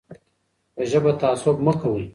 په ژبه تعصب مه کوئ.